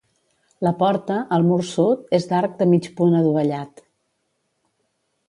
La porta, al mur sud, és d'arc de mig punt adovellat.